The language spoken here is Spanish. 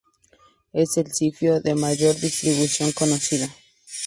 Es el zifio de mayor distribución conocida.